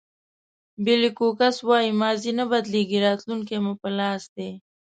بېلي کوکس وایي ماضي نه بدلېږي راتلونکی مو په لاس دی.